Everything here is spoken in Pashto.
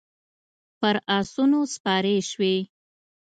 پر اسونو سپارې شوې.